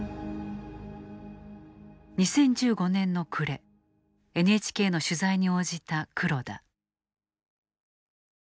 ２０１５年の暮れＮＨＫの取材に応じた黒田。